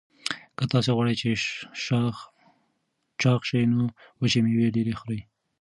که تاسي غواړئ چې چاغ شئ نو وچې مېوې ډېرې خورئ.